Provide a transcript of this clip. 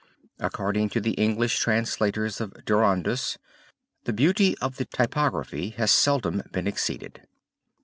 According to the English translators of Durandus the beauty of the typography has seldom been exceeded.